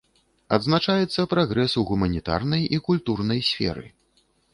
Адзначаецца прагрэс у гуманітарнай і культурнай сферы.